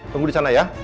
tunggu di sana ya